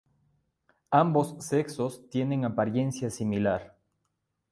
Ambos sexos tienen apariencia similar.